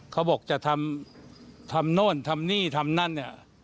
เขาบอกจะทำทำโน่นทำนี่ทำนั่นเนี่ย